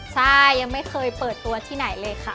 ใช่ยังไม่เคยเปิดตัวที่ไหนเลยค่ะ